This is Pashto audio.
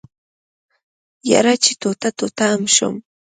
يره چې ټوټه ټوټه ام شم.